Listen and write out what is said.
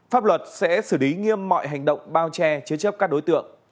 pháp luật sẽ xử lý nghiêm mọi hành động bao che chế chấp các đối tượng